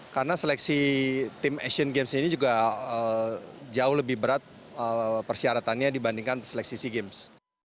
karena seleksi tim asian games ini juga jauh lebih berat persyaratannya dibandingkan seleksi sea games